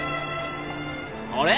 あれ？